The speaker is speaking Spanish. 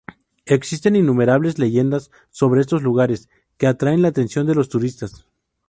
Existen innumerables leyendas sobre estos lugares, que atraen la atención de los turistas.